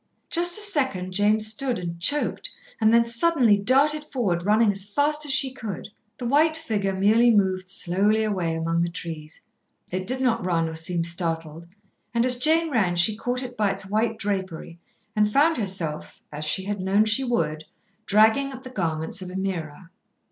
Just a second Jane stood, and choked, and then suddenly darted forward, running as fast as she could. The white figure merely moved slowly away among the trees. It did not run or seem startled, and as Jane ran she caught it by its white drapery, and found herself, as she had known she would, dragging at the garments of Ameerah.